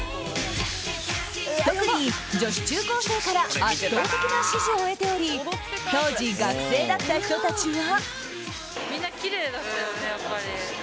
特に女子中高生から圧倒的な支持を得ており当時、学生だった人たちは。